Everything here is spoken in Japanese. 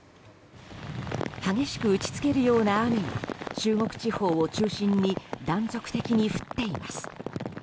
激しく打ち付けるような雨が中国地方を中心に断続的に降っています。